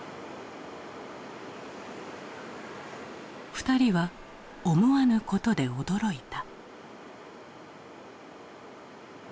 ２人は思わぬことで驚いた。